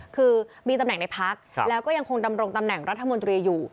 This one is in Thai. คือมีตำแหน่งในพักแล้วก็ยังคงดำรงตำแหน่งรัฐมนตรีอยู่